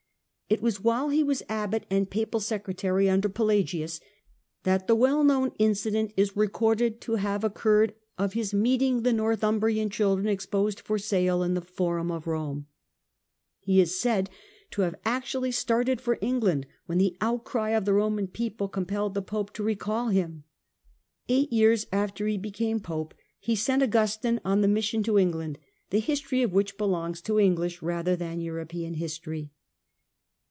It was while he was Abbot and Papal Secretary under Pelagius that the well known incident is recorded to have occurred of his meeting the North umbrian children exposed for sale in the Forum of Rome, i He is said to have actually started for England when the outcry of the Roman people compelled the Pope to recall him. Eight years after he became Pope, he sent Augustine on the mission to England, the history of which belongs to English rather than European history.